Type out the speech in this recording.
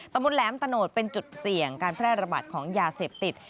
ตำรวจแหลมตะโนดเป็นจุดเสี่ยงการแพร่ระบาดของยาเสพติด